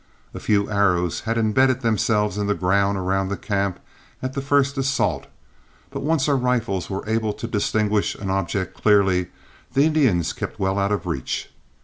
A few arrows had imbedded themselves in the ground around camp at the first assault, but once our rifles were able to distinguish an object clearly, the Indians kept well out of reach.